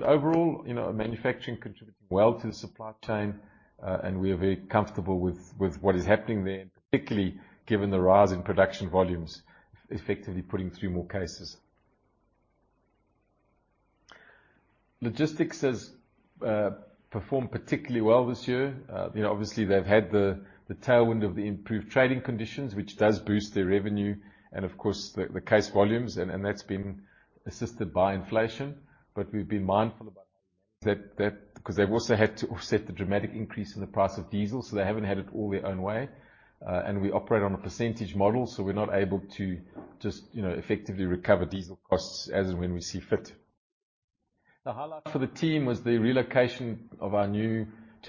Overall, you know, manufacturing contributing well to the supply chain, and we are very comfortable with what is happening there, and particularly given the rise in production volumes effectively putting through more cases. Logistics has performed particularly well this year. You know, obviously they've had the tailwind of the improved trading conditions, which does boost their revenue and of course, the case volumes and that's been assisted by inflation. We've been mindful about that, 'cause they've also had to offset the dramatic increase in the price of diesel, so they haven't had it all their own way. We operate on a percentage model, so we're not able to just, you know, effectively recover diesel costs as and when we see fit. The highlight for the team was the relocation to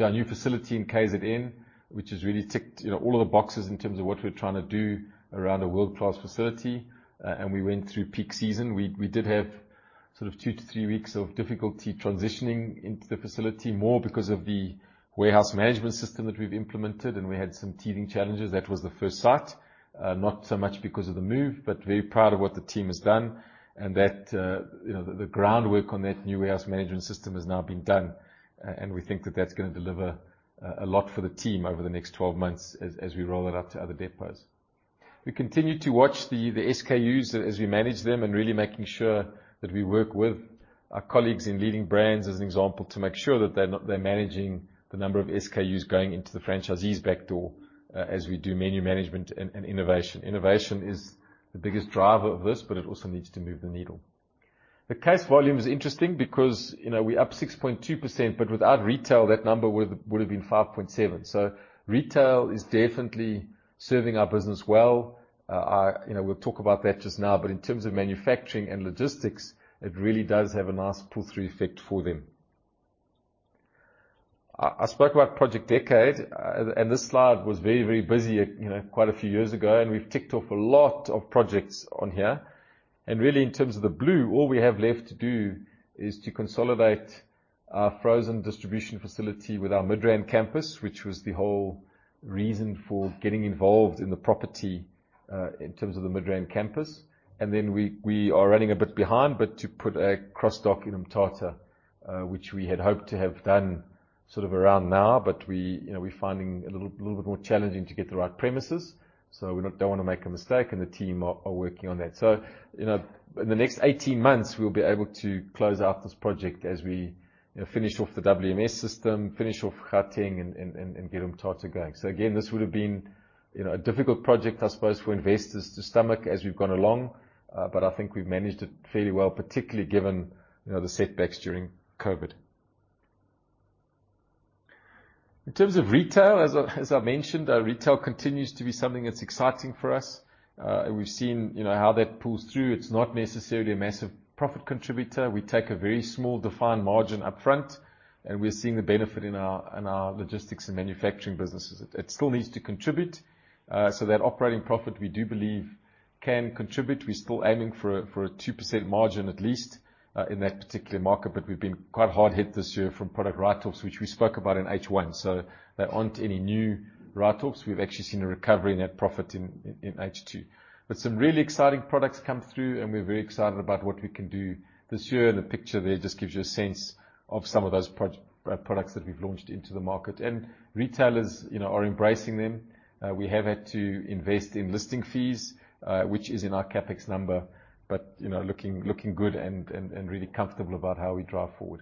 our new facility in KZN, which has really ticked, you know, all of the boxes in terms of what we're trying to do around a world-class facility. We went through peak season. We did have sort of two-three weeks of difficulty transitioning into the facility, more because of the warehouse management system that we've implemented, and we had some teething challenges. That was the first site, not so much because of the move, but very proud of what the team has done and that, you know, the groundwork on that new warehouse management system has now been done. We think that that's gonna deliver a lot for the team over the next 12 months as we roll it out to other depots. We continue to watch the SKUs as we manage them and really making sure that we work with our colleagues in Leading Brands as an example, to make sure that they're managing the number of SKUs going into the franchisee's back door, as we do menu management and innovation. Innovation is the biggest driver of this, it also needs to move the needle. The case volume is interesting because, you know, we're up 6.2%, without retail, that number would've been 5.7%. Retail is definitely serving our business well. You know, we'll talk about that just now, in terms of manufacturing and logistics, it really does have a nice pull-through effect for them. I spoke about Project Decade, and this slide was very, very busy, you know, quite a few years ago, and we've ticked off a lot of projects on here. Really, in terms of the blue, all we have left to do is to consolidate our frozen distribution facility with our Midrand campus, which was the whole reason for getting involved in the property, in terms of the Midrand campus. Then we are running a bit behind, but to put a cross-dock in Mthatha, which we had hoped to have done sort of around now, but we, you know, we're finding a little bit more challenging to get the right premises, so we don't wanna make a mistake and the team are working on that. In the next 18 months, we'll be able to close out this project as we, you know, finish off the WMS system, finish off Gauteng and get Mthatha going. Again, this would've been, you know, a difficult project, I suppose, for investors to stomach as we've gone along, but I think we've managed it fairly well, particularly given, you know, the setbacks during COVID. In terms of retail, as I mentioned, retail continues to be something that's exciting for us. We've seen, you know, how that pulls through. It's not necessarily a massive profit contributor. We take a very small defined margin up front, and we're seeing the benefit in our, in our logistics and manufacturing businesses. It still needs to contribute, that operating profit we do believe can contribute. We're still aiming for a 2% margin at least in that particular market. We've been quite hard hit this year from product write-offs, which we spoke about in H1. There aren't any new write-offs. We've actually seen a recovery in that profit in H2. Some really exciting products come through, and we're very excited about what we can do this year. The picture there just gives you a sense of some of those products that we've launched into the market. Retailers, you know, are embracing them. We have had to invest in listing fees, which is in our CapEx number, but, you know, looking good and really comfortable about how we drive forward.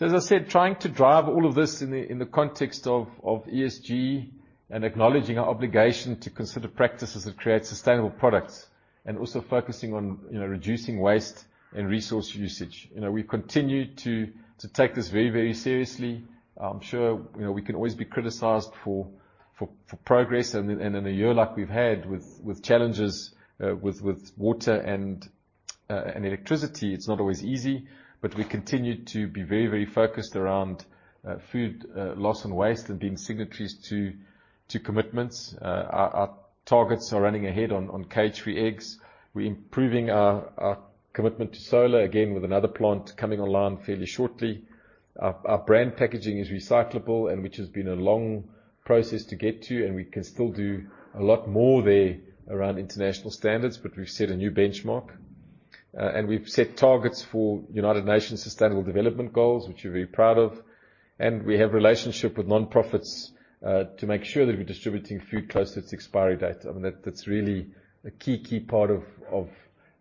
As I said, trying to drive all of this in the context of ESG and acknowledging our obligation to consider practices that create sustainable products and also focusing on, you know, reducing waste and resource usage. You know, we've continued to take this very seriously. I'm sure, you know, we can always be criticized for progress and in a year like we've had with challenges with water and electricity, it's not always easy. We continue to be very focused around food loss and waste and being signatories to commitments. Our targets are running ahead on cage-free eggs. We're improving our commitment to solar again with another plant coming online fairly shortly. Our brand packaging is recyclable which has been a long process to get to, and we can still do a lot more there around international standards, but we've set a new benchmark. We've set targets for United Nations Sustainable Development Goals, which we're very proud of. We have relationship with nonprofits to make sure that we're distributing food close to its expiry date. I mean, that's really a key part of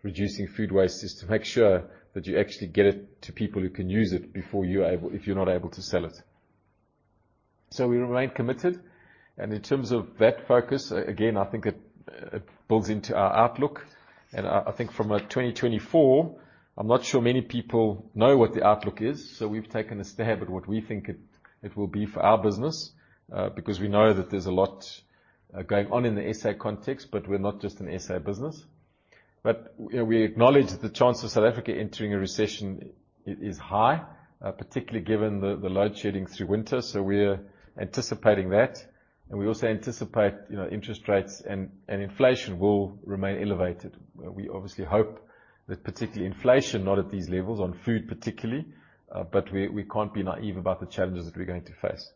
reducing food waste, is to make sure that you actually get it to people who can use it if you're not able to sell it. We remain committed. In terms of that focus, again, I think it builds into our outlook. I think from 2024, I'm not sure many people know what the outlook is, so we've taken a stab at what we think it will be for our business, because we know that there's a lot going on in the SA context, but we're not just an SA business. You know, we acknowledge the chance of South Africa entering a recession is high, particularly given the load shedding through winter. We're anticipating that. We also anticipate, you know, interest rates and inflation will remain elevated. We obviously hope that particularly inflation not at these levels on food particularly, but we can't be naive about the challenges that we're going to face.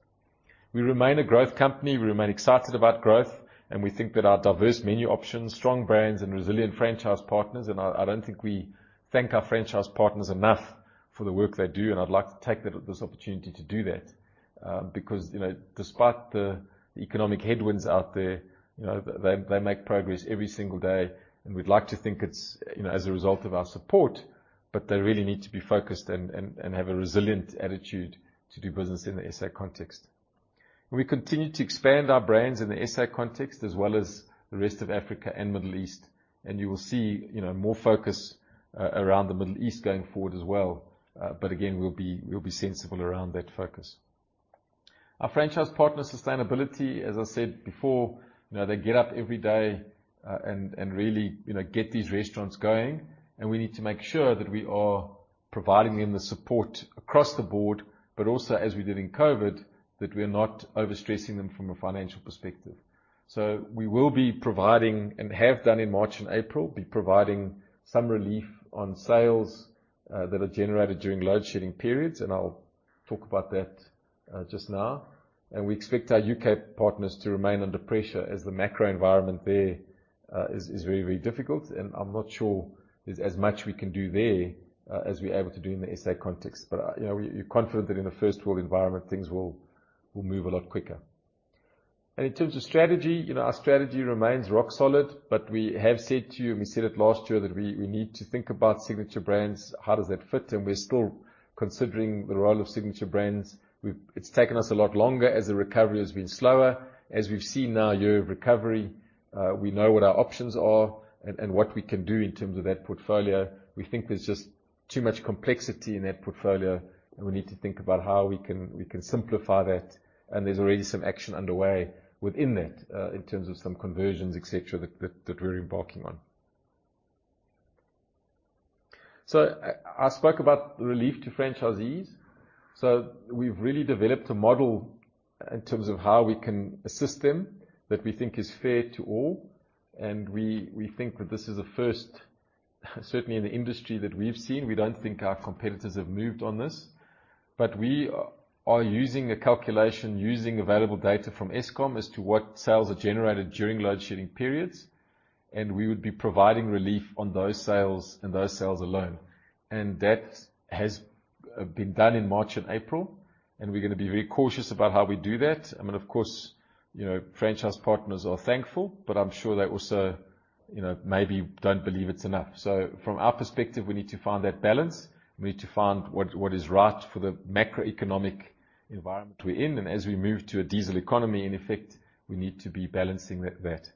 We remain a growth company, we remain excited about growth, and we think that our diverse menu options, strong brands and resilient franchise partners and I don't think we thank our franchise partners enough for the work they do, and I'd like to take this opportunity to do that. You know, despite the economic headwinds out there, you know, they make progress every single day, and we'd like to think it's, you know, as a result of our support, but they really need to be focused and have a resilient attitude to do business in the SA context. We continue to expand our brands in the SA context as well as the rest of Africa and Middle East, and you will see, you know, more focus around the Middle East going forward as well. Again, we'll be sensible around that focus. Our franchise partner sustainability, as I said before, you know, they get up every day, and really, you know, get these restaurants going, and we need to make sure that we are providing them the support across the board, but also as we did in COVID, that we are not overstressing them from a financial perspective. We will be providing and have done in March and April, providing some relief on sales that are generated during load shedding periods, and I'll talk about that just now. We expect our U.K. partners to remain under pressure as the macro environment there is very, very difficult. I'm not sure there's as much we can do there as we're able to do in the SA context. You know, we're confident that in a first world environment, things will move a lot quicker. In terms of strategy, you know, our strategy remains rock solid. We have said to you, and we said it last year, that we need to think about Signature Brands, how does that fit? We're still considering the role of Signature Brands. It's taken us a lot longer as the recovery has been slower. As we've seen now a year of recovery, we know what our options are and what we can do in terms of that portfolio. We think there's just too much complexity in that portfolio, and we need to think about how we can simplify that, and there's already some action underway within that, in terms of some conversions, et cetera, that we're embarking on. I spoke about relief to franchisees. We've really developed a model in terms of how we can assist them that we think is fair to all. We think that this is a first, certainly in the industry that we've seen. We don't think our competitors have moved on this. We are using a calculation, using available data from Eskom as to what sales are generated during load shedding periods, and we would be providing relief on those sales and those sales alone. That has been done in March and April, and we're gonna be very cautious about how we do that. I mean, of course, you know, franchise partners are thankful, but I'm sure they also, you know, maybe don't believe it's enough. From our perspective, we need to find that balance. We need to find what is right for the macroeconomic environment we're in. As we move to a diesel economy, in effect, we need to be balancing that.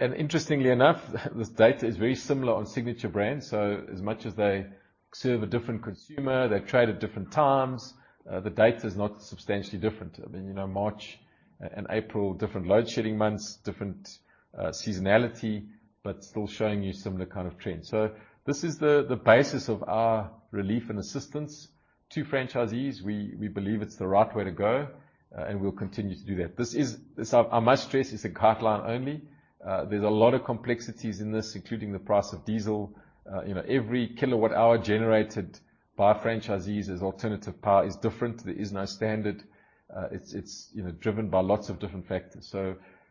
Interestingly enough, this data is very similar on Signature Brands. As much as they serve a different consumer, they trade at different times, the data is not substantially different. I mean, you know, March and April, different load shedding months, different seasonality, still showing you similar kind of trends. This is the basis of our relief and assistance to franchisees. We believe it's the right way to go, we'll continue to do that. I must stress, it's a guideline only. There's a lot of complexities in this, including the price of diesel. You know, every kilowatt hour generated by franchisees as alternative power is different. There is no standard. It's, you know, driven by lots of different factors.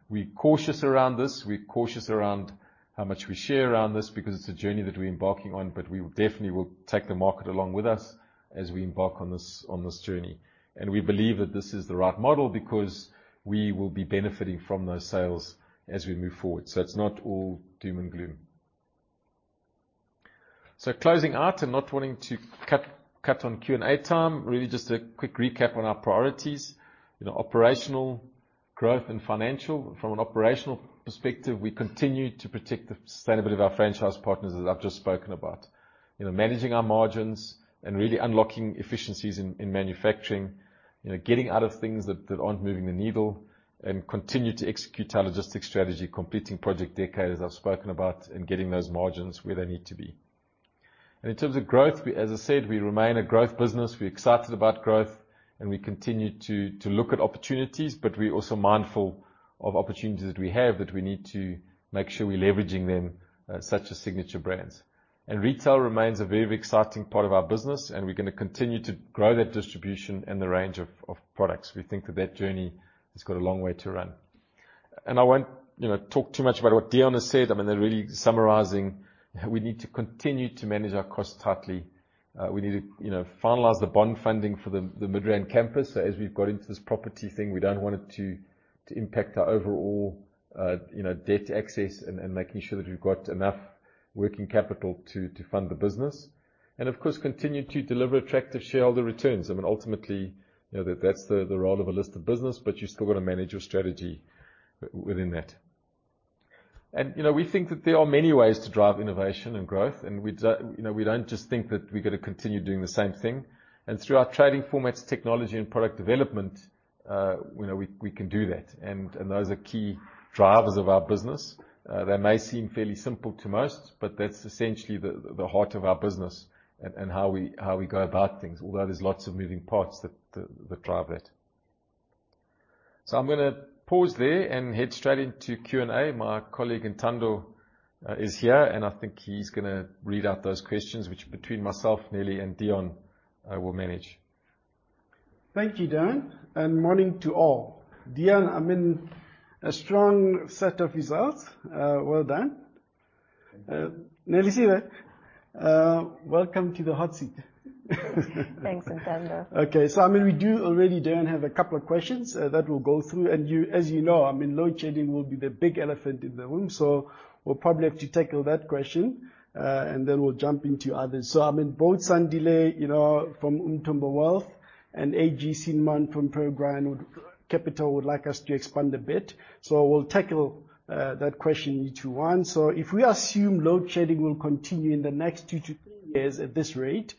We're cautious around this. We're cautious around how much we share around this because it's a journey that we're embarking on, but we definitely will take the market along with us as we embark on this journey. We believe that this is the right model because we will be benefiting from those sales as we move forward. It's not all doom and gloom. Closing out and not wanting to cut on Q&A time, really just a quick recap on our priorities. You know, operational growth and financial. From an operational perspective, we continue to protect the sustainability of our franchise partners, as I've just spoken about. You know, managing our margins and really unlocking efficiencies in manufacturing. You know, getting out of things that aren't moving the needle and continue to execute our logistics strategy, completing Project Decade, as I've spoken about, and getting those margins where they need to be. In terms of growth, as I said, we remain a growth business. We're excited about growth, and we continue to look at opportunities, but we're also mindful of opportunities that we have that we need to make sure we're leveraging them, such as Signature Brands. Retail remains a very exciting part of our business, and we're gonna continue to grow that distribution and the range of products. We think that that journey has got a long way to run. I won't, you know, talk too much about what Deon has said. I mean, they're really summarizing. We need to continue to manage our costs tightly. We need to, you know, finalize the bond funding for the Midrand campus. As we've got into this property thing, we don't want it to impact our overall, you know, debt access and making sure that we've got enough working capital to fund the business. Of course, continue to deliver attractive shareholder returns. I mean, ultimately, you know, that's the role of a listed business, but you still got to manage your strategy within that. We think that there are many ways to drive innovation and growth, and we don't just think that we're gonna continue doing the same thing. Through our trading formats, technology and product development, you know, we can do that. Those are key drivers of our business. They may seem fairly simple to most, but that's essentially the heart of our business and how we go about things. Although there's lots of moving parts that drive that. I'm gonna pause there and head straight into Q&A. My colleague, Ntando, is here, and I think he's gonna read out those questions, which between myself, Nelly, and Deon, will manage. Thank you, Darren. Morning to all. Deon, I mean, a strong set of results. Well done. Nelisiwe, welcome to the hot seat. Thanks, Ntando. Okay. I mean, we do already, Darren, have a couple of questions that we'll go through. You, as you know, I mean, load shedding will be the big elephant in the room, we'll probably have to tackle that question. We'll jump into others. I mean, both Sandile, you know, from Umthombo Wealth and AGC Man from ProGrind Capital would like us to expand a bit. We'll tackle that question if you want. If we assume load shedding will continue in the next two-three years at this rate,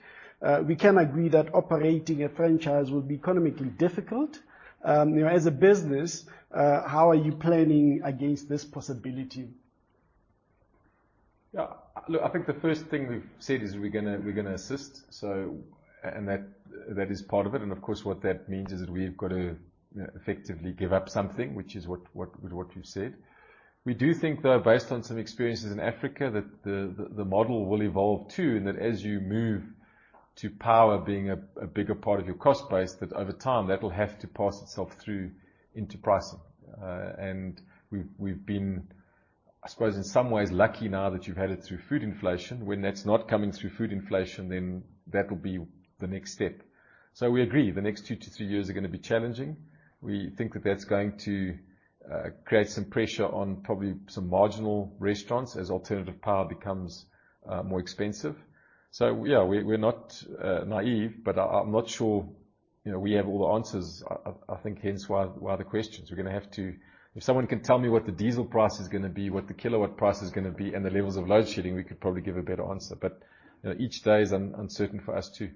we can agree that operating a franchise would be economically difficult. You know, as a business, how are you planning against this possibility? Yeah. Look, I think the first thing we've said is we're gonna assist, so. That is part of it. Of course, what that means is that we've got to, you know, effectively give up something, which is what you've said. We do think, though, based on some experiences in Africa, that the model will evolve too, and that as you move to power being a bigger part of your cost base, that over time, that'll have to pass itself through into pricing. We've been, I suppose, in some ways lucky now that you've had it through food inflation. When that's not coming through food inflation, that'll be the next step. We agree, the next two-three years are gonna be challenging. We think that that's going to create some pressure on probably some marginal restaurants as alternative power becomes more expensive. Yeah, we're not naive, but I'm not sure, you know, we have all the answers. I think hence why the questions. We're gonna have to. If someone can tell me what the diesel price is gonna be, what the kilowatt price is gonna be, and the levels of load shedding, we could probably give a better answer, but, you know, each day is uncertain for us too.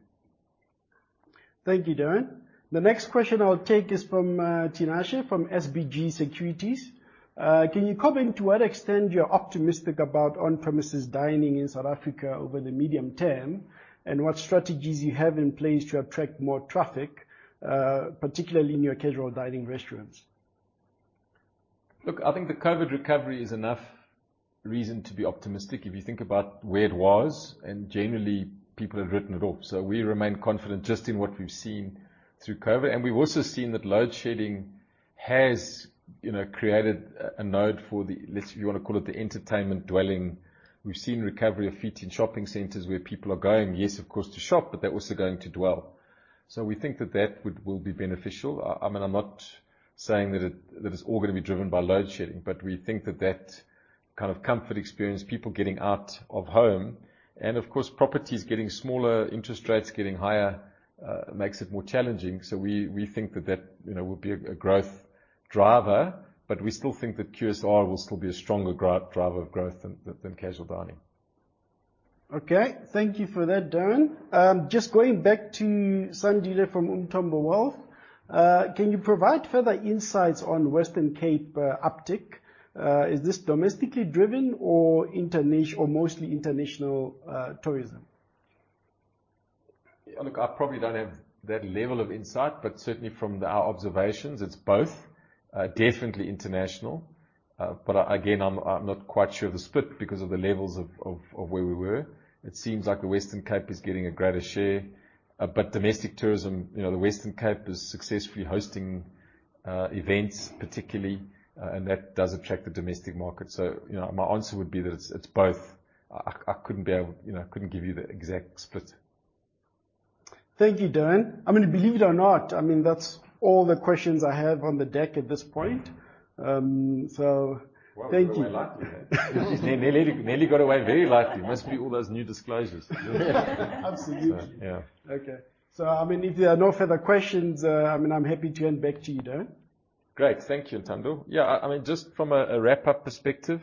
Thank you, Darren. The next question I'll take is from Tinashe from SBG Securities. Can you comment to what extent you're optimistic about on-premises dining in South Africa over the medium term, and what strategies you have in place to attract more traffic, particularly in your casual dining restaurants? Look, I think the COVID recovery is enough reason to be optimistic if you think about where it was, and generally people have written it off. We remain confident just in what we've seen through COVID. We've also seen that load shedding has, you know, created a node for the, if you wanna call it the entertainment dwelling. We've seen recovery of feet in shopping centers where people are going, yes, of course, to shop, but they're also going to dwell. We think that that will be beneficial. I mean, I'm not saying that it's all gonna be driven by load shedding, but we think that that kind of comfort experience, people getting out of home, and of course, properties getting smaller, interest rates getting higher, makes it more challenging. We think that, you know, will be a growth driver, but we still think that QSR will still be a stronger driver of growth than casual dining. Okay. Thank you for that, Darren. Just going back to Sandile from Umthombo Wealth, can you provide further insights on Western Cape uptick? Is this domestically driven or mostly international tourism? Look, I probably don't have that level of insight. Certainly from our observations, it's both. Definitely international. Again, I'm not quite sure of the split because of the levels of where we were. It seems like the Western Cape is getting a greater share. Domestic tourism, you know, the Western Cape is successfully hosting events, particularly, and that does attract the domestic market. You know, my answer would be that it's both. I couldn't give you the exact split. Thank you, Darren. I mean, believe it or not, I mean, that's all the questions I have on the deck at this point. Thank you. Wow. You're lucky then. Nelly got away very lucky. Must be all those new disclosures. Absolutely. Yeah. Okay. I mean, if there are no further questions, I mean, I'm happy to hand back to you, Deon. Great. Thank you, Ntando. I mean, just from a wrap-up perspective,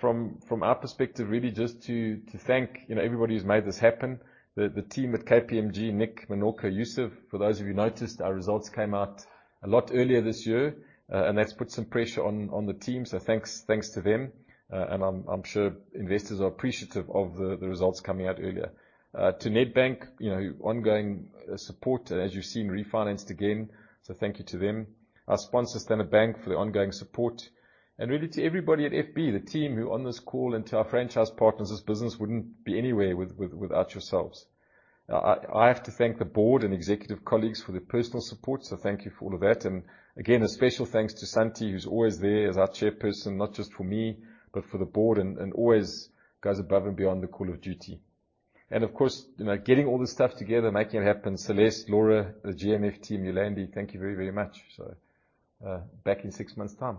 from our perspective, really just to thank, you know, everybody who's made this happen. The team at KPMG, Nick, Menorka, Yusuf. For those of you noticed, our results came out a lot earlier this year, and that's put some pressure on the team, so thanks to them. I'm sure investors are appreciative of the results coming out earlier. To Nedbank, you know, ongoing support, as you've seen, refinanced again, thank you to them. Our sponsors, Standard Bank, for the ongoing support. Really to everybody at FB, the team who are on this call, and to our franchise partners, this business wouldn't be anywhere without yourselves. I have to thank the board and executive colleagues for their personal support, thank you for all of that. Again, a special thanks to Santi, who's always there as our chairperson, not just for me, but for the board and always goes above and beyond the call of duty. Of course, you know, getting all this stuff together, making it happen, Celeste, Laura, the GMF team, Yolandi, thank you very, very much. Back in six months' time.